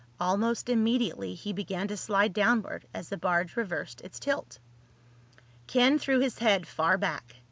Almost immediately he began to slide downward as the barge reversed its tilt. Ken threw his head far back.